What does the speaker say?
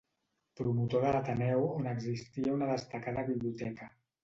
Promotor de l'Ateneu on existia una destacada biblioteca.